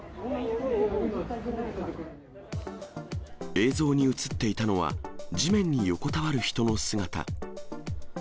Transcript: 映像に写っていたのは、地面に横たわる人の姿。